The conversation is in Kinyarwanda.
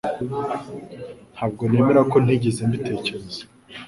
Ntabwo nemera ko ntigeze mbitekereza